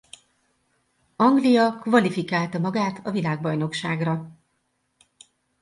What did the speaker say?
Anglia kvalifikálta magát a világbajnokságra.